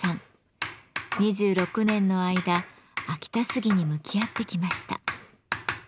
２６年の間秋田杉に向き合ってきました。